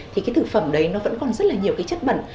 thì cái thực phẩm đấy nó vẫn còn rất là nhiều cái chất bẩn